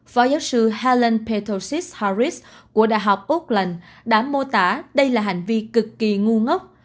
phó giáo sư helen petrosis harris của đại học auckland đã mô tả đây là hành vi cực kỳ ngu ngốc